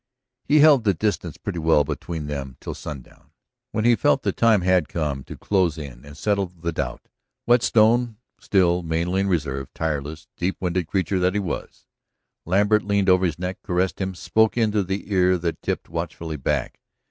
He held the distance pretty well between them till sundown, when he felt the time had come to close in and settle the doubt. Whetstone was still mainly in reserve, tireless, deep winded creature that he was. Lambert leaned over his neck, caressed him, spoke into the ear that tipped watchfully back.